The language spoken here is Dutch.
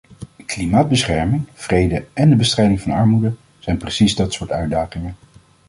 Klimaatbescherming, vrede en de bestrijding van armoede zijn precies dat soort uitdagingen.